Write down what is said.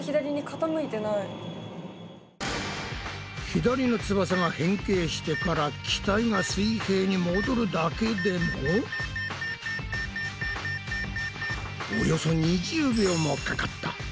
左の翼が変形してから機体が水平に戻るだけでもおよそ２０秒もかかった。